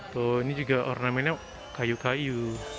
tuh ini juga ornament nya kayu kayu